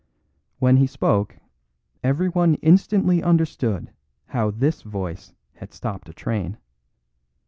When he spoke everyone instantly understood how this voice had stopped a train.